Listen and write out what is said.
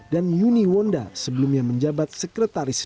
dan yuni wonda sebelumnya menjabat sekretaris